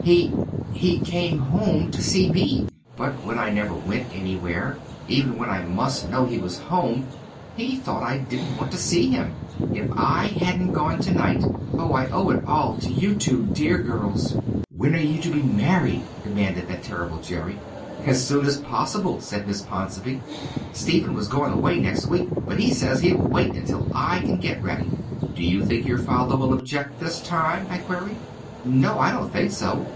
He he came home to see me. But when I never went anywhere, even when I must know he was home, he thought I didn't want to see him. If I hadn't gone tonight oh, I owe it all to you two dear girls!" "When are you to be married?" demanded that terrible Jerry. "As soon as possible," said Miss Ponsonby. "Stephen was going away next week, but he says he will wait until I can get ready." "Do you think your father will object this time?" I queried. "No, I don't think so.